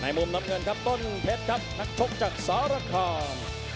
มุมน้ำเงินครับต้นเพชรครับนักชกจากสารคาม